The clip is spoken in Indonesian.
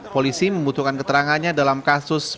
polisi membutuhkan keterangannya dalam kasus